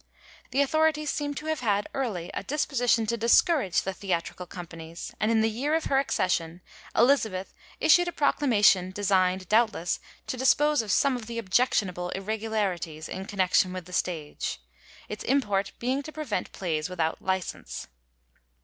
The authorities seem to have had early a disposition to discourage the theatrical companies ; and in the year of her accession, Elizabeth issued a proclamation designd, doubtless, to dispose of some of the objectionable irregu larities in connexion with the stage, its import being to prevent plays without licence.